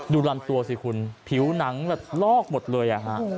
ดูรันตัวที่ผิวน้ำลอกลงทัน